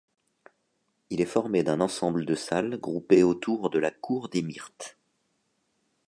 Il est formé d'un ensemble de salles groupées autour de la cour des Myrtes.